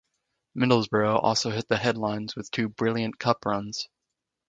Middlesbrough also hit the headlines with two brilliant cup runs.